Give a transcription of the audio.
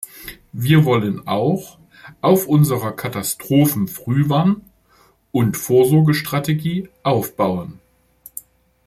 Wir wollen auch auf unserer Katastrophenfrühwarn- und -vorsorgestrategie aufbauen.